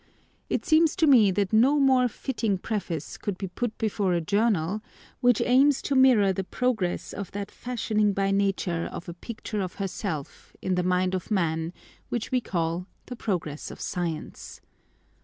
It seemed to me that no more fitting preface could be put before a Journal, which aims to mirror the progress of that fashioning by Nature of a picture of herself, in the mind of man, which we Si the progress of Science.